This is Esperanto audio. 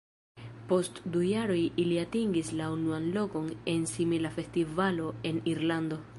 Post du jaroj ili atingis la unuan lokon en simila festivalo en Irlando.